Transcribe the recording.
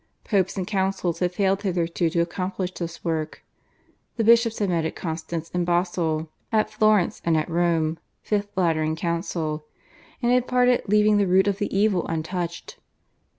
Popes and Councils had failed hitherto to accomplish this work. The bishops had met at Constance and Basle, at Florence and at Rome (5th Lateran Council), and had parted leaving the root of the evil untouched.